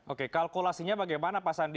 oke kalkulasinya bagaimana pak sandi